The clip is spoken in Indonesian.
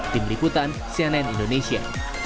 tim liputan cnn indonesia